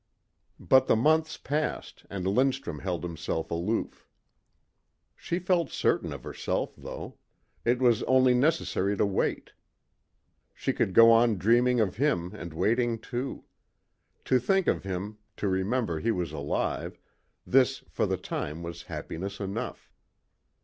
But the months passed and Lindstrum held himself aloof. She felt certain of herself though. It was only necessary to wait. She could go on dreaming of him and waiting too. To think of him, to remember he was alive, this for the time was happiness enough.